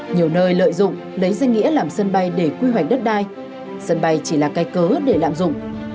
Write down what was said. nhiều nơi lợi dụng lấy danh nghĩa làm sân bay để quy hoạch đất đai sân bay chỉ là cây cớ để lạm dụng